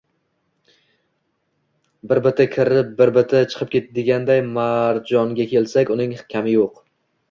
Bir biti kirib, bir biti chiqib deganday… Marjong‘a kelsak, uning kami jo‘q